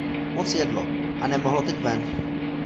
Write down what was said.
Moc jedlo, a nemohlo teď ven.